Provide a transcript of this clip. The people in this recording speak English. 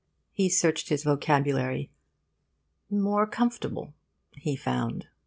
He searched his vocabulary. More comf'table,' he found.